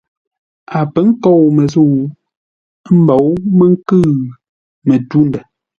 A pə̌ nkôu məzə̂u, ə́ mbou mə́ nkʉ̂ʉ mətû-ndə̂.